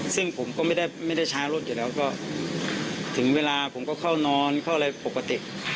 ซึ่งผมก็ไม่ได้ช้ารถอยู่แล้วก็ถึงเวลาผมก็เข้านอนเข้าอะไรปกติ